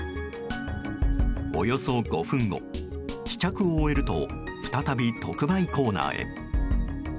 およそ５分後、試着を終えると再び特売コーナーへ。